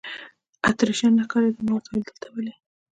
اتریشیان نه ښکارېدل، ما ورته وویل: دلته ولې.